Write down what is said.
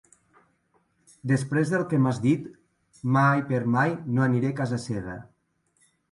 Després del que m'has dit, mai per mai no aniré a casa seva.